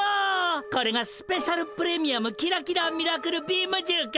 これがスペシャル・プレミアムキラキラ・ミラクル・ビームじゅうか。